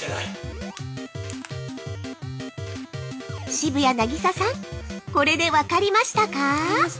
◆渋谷凪咲さん、これで分かりましたか？